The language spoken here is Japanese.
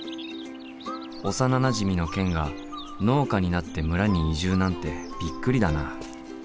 幼なじみのケンが農家になって村に移住なんてびっくりだな。